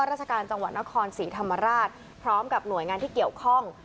ราชการจังหวัดนครศรีธรรมราชพร้อมกับหน่วยงานที่เกี่ยวข้อง